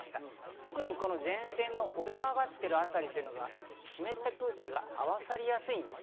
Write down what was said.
特に前線の折れ曲がっているあたり、湿った空気が合わさりやすいんです。